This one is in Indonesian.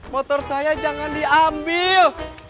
motor saya jangan diambil